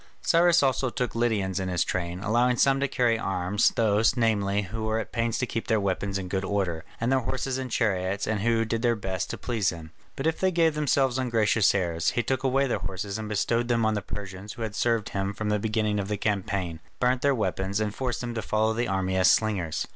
Cyrus also took Lydians in his train; allowing some to carry arms, those, namely, who were at pains to keep their weapons in good order, and their horses and chariots, and who did their best to please him, but if they gave themselves ungracious airs, he took away their horses and bestowed them on the Persians who had served him from the beginning of the campaign, burnt their weapons, and forced them to follow the army as slingers.